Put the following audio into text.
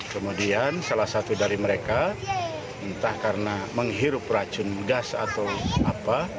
kemudian salah satu dari mereka entah karena menghirup racun gas atau apa